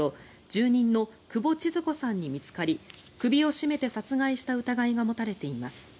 住人の久保千鶴子さんに見つかり首を絞めて殺害した疑いが持たれています。